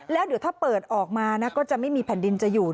และถ้าเปิดออกมาก็จะไม่มีแผ่นดินจะอยู่